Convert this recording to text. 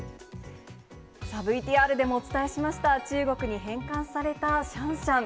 ＶＴＲでもお伝えしました、中国に返還されたシャンシャン。